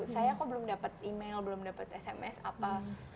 saya kok belum dapat email belum dapat sms apa